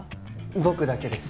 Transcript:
僕だけです。